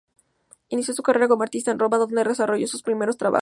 Inició su carrera como artista en Roma, donde desarrolló sus primeros trabajos.